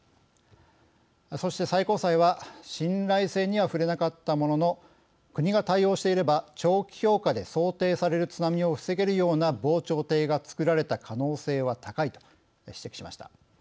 そして最高裁は信頼性には触れなかったものの国が対応していれば長期評価で想定される津波を防げるような防潮堤が作られた可能性は高いと指摘しました。